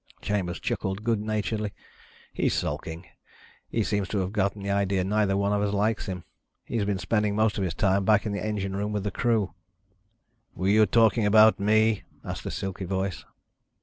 Chambers chuckled good naturedly. "He's sulking. He seems to have gotten the idea neither one of us likes him. He's been spending most of his time back in the engine room with the crew." "Were you talking about me?" asked a silky voice.